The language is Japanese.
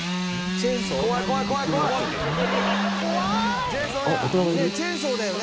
チェーンソーだよね？